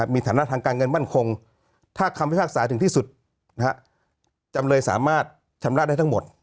มีฐานะทางการเงินมั่นคงถ้าคำพิพากษาถึงที่สุดจำเลยสามารถชำระได้ทั้งหมด